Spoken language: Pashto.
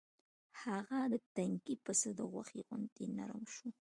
هغه د تنکي پسه د غوښې غوندې نرم شو.